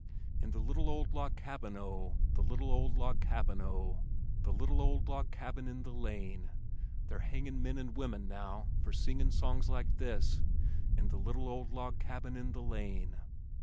In the little old log cabin O! The little old log cabin O! The little old log cabin in the lane, They're hangin' men and women now For singing songs like this In the little old log cabin in the lane.